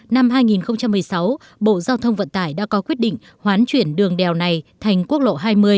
năm hai nghìn một mươi sáu bộ giao thông vận tải đã có quyết định hoán chuyển đường đèo này thành quốc lộ hai mươi